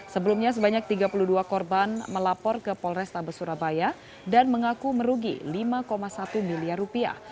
sebelumnya sebanyak tiga puluh dua korban melapor ke polrestabes surabaya dan mengaku merugi lima satu miliar rupiah